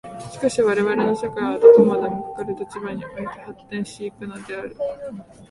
しかして我々の社会はどこまでもかかる立場において発展し行くのである。